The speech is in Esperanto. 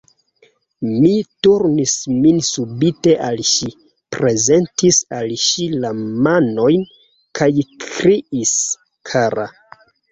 Mi turnis min subite al ŝi, prezentis al ŝi la manojn, kaj kriis: "Kara!"